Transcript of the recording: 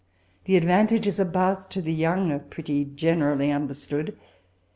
The advantages of Bath to the young are pretty generally understood.